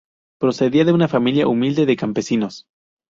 Procedía de una familia humilde de campesinos.